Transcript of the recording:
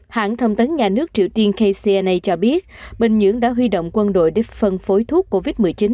hãng thông tấn nhà nước triều tiên kcna cho biết bình nhưỡng đã huy động quân đội để phân phối thuốc covid một mươi chín